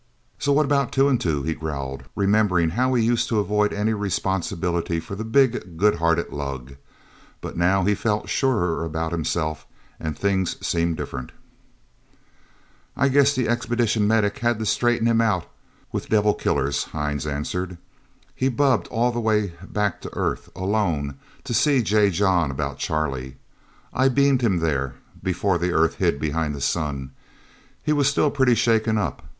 "So what about Two and Two?" he growled, remembering how he used to avoid any responsibility for the big, good hearted lug; but now he felt surer about himself, and things seemed different. "I guess the Expedition medic had to straighten him out with devil killers," Hines answered. "He bubbed all the way back to Earth, alone, to see J. John about Charlie. I beamed him, there, before the Earth hid behind the sun. He was still pretty shaken up.